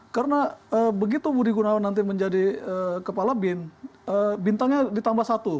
karena begitu budi gunawan nanti menjadi kepala bin bintangnya ditambah satu